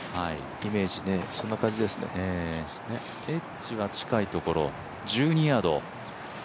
エッジは近いところ、１２ヤード。